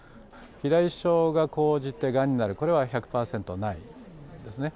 肥大症がこうじてがんになる、これは１００％ないですね。